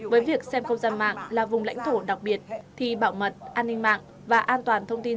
với việc xem không gian mạng là vùng lãnh thổ đặc biệt thì bảo mật an ninh mạng và an toàn thông tin